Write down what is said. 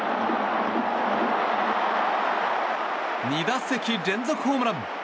２打席連続ホームラン！